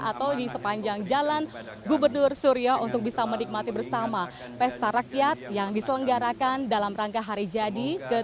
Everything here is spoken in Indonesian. atau di sepanjang jalan gubernur surya untuk bisa menikmati bersama pesta rakyat yang diselenggarakan dalam rangka hari jadi